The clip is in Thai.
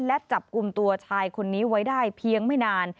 และจับกลุ่มตัวชายคนนี้ไว้ได้เพียงไม่นาน